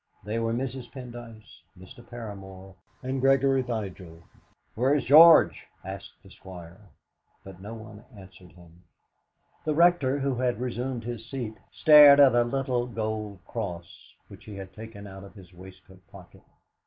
They were Mrs. Pendyce, Mr. Paramor, and Gregory Vigil. "Where's George?" asked the Squire, but no one answered him. The Rector, who had resumed his seat, stared at a little gold cross which he had taken out of his waistcoat pocket.